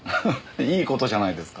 いい事じゃないですか。